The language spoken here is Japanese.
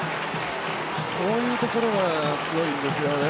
こういうところは強いんですよね。